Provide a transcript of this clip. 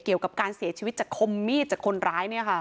เกี่ยวกับการเสียชีวิตจากคมมีดจากคนร้าย